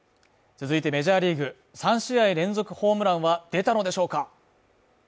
続いてメジャーリーグ３試合連続ホームランは出たのでしょうか？